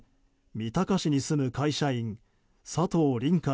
三鷹市に住む会社員佐藤凜果